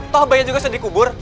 toh bayi juga sudah dikubur